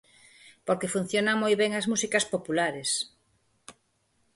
Porque funcionan moi ben as músicas populares.